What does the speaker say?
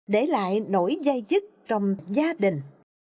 để lại nổi dây dứt trong gia đình